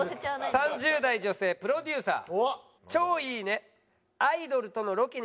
３０代女性プロデューサー「超いいね」。